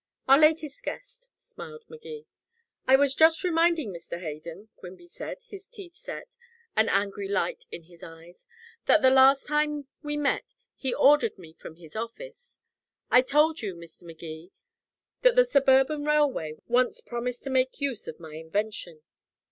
"Our latest guest," smiled Magee. "I was just reminding Mr. Hayden," Quimby said, his teeth set, an angry light in his eyes, "that the last time we met he ordered me from his office. I told you, Mr. Magee, that the Suburban Railway once promised to make use of my invention.